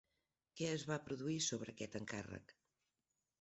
Què es va produir sobre aquest encàrrec?